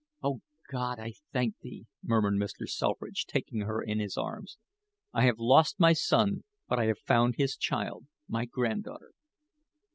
"Oh, God, I thank thee," murmured Mr. Selfridge, taking her in his arms. "I have lost my son, but I have found his child my granddaughter."